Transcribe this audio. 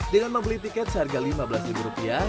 dengan membeli tiket seharga lima belas rupiah